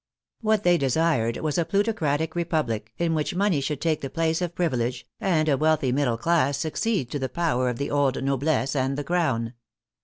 What they desired was a plutocratic Re public, in which money should take the place of privilege, and a wealthy middle class succeed to the power of the old noblesse and the crown.